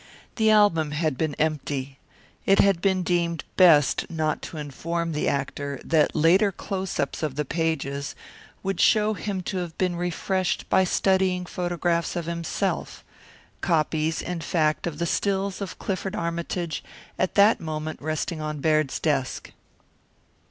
The album had been empty. It had been deemed best not to inform the actor that later close ups of the pages would show him to have been refreshed by studying photographs of himself copies, in fact, of the stills of Clifford Armytage at that moment resting on Baird's desk.